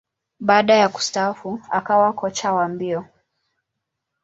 Baada ya kustaafu, akawa kocha wa mbio.